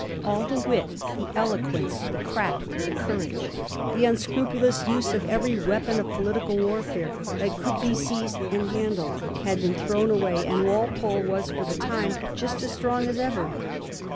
All the wit, the eloquence, the craft, the courage, the unscrupulous use of every weapon of po litical warfare that could be seized and handled, had been thrown away. Walpole was, for the time, just as strong as ever.